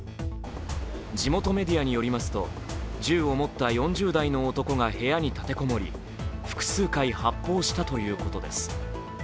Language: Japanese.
地元メディアによりますと銃を持った４０代の男が部屋に立て籠もり複数回、発砲したということです。